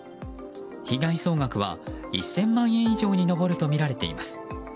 被害総額は１０００万円以上に上るとみられています。